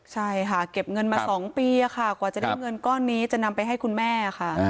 ใช่ค่ะเก็บเงินมา๒ปีค่ะกว่าจะได้เงินก้อนนี้จะนำไปให้คุณแม่ค่ะ